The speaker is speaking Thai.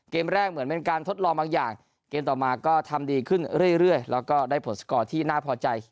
แรกเหมือนเป็นการทดลองบางอย่างเกมต่อมาก็ทำดีขึ้นเรื่อยแล้วก็ได้ผลสกอร์ที่น่าพอใจ